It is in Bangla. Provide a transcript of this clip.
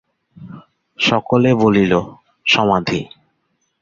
সকলে বলিল, সমাধি।